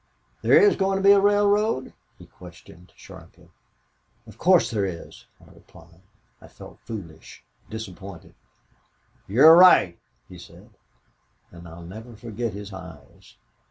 "'There is going to be a railroad?' he questioned sharply. "'Of course there is,' I replied. I felt foolish, disappointed. "'You're right,' he said, 'and I'll never forget his eyes.